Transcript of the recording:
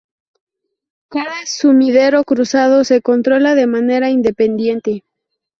Cada sumidero cruzado se controla de manera independiente.